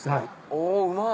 おうまい。